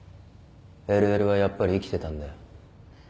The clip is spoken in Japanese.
ＬＬはやっぱり生きてたんだよ。